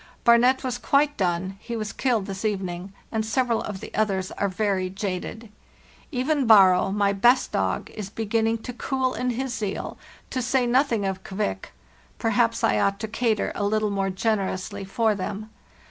'Barnet' was quite done (he was killed this evening), and several of the others are very jaded. Even' Baro,' my best dog, is beginning to cool in his zeal, to say nothing of ' Kvik'; perhaps I ought to cater a little more generously for them.